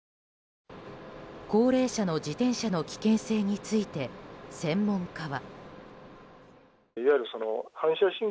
高齢者の自転車の危険性について専門家は。